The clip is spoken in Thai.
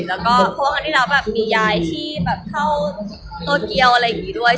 แล้วก็เพราะว่าครั้งที่แล้วแบบมียายที่แบบเข้าโตเกียวอะไรอย่างนี้ด้วย